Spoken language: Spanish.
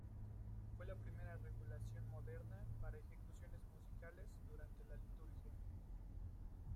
Fue la primera regulación moderna para ejecuciones musicales durante la liturgia.